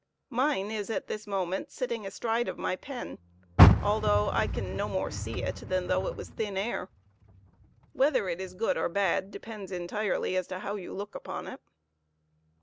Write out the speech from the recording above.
Mine is at this moment sitting astride of my pen, though I can no more see it than though it was thin air; whether it is good or bad depends entirely as to how you look upon it.